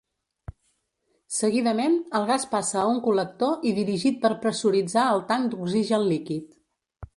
Seguidament, el gas passa a un col·lector i dirigit per pressuritzar el tanc d'oxigen líquid.